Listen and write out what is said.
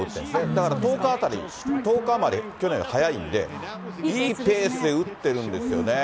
だから１０日あたり、１０日余り、去年より早いんで、いいペースで打ってるんですよね。